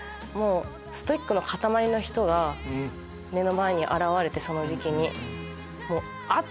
ストイックの塊の人が目の前に現れてその時期に。